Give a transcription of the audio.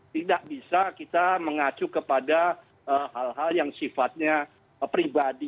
tidak bisa kita mengacu kepada hal hal yang sifatnya pribadi